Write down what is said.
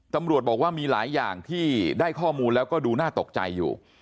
ตำรวจบอกว่ามีหลายอย่างที่ได้ข้อมูลแล้วก็ดูน่าตกใจอยู่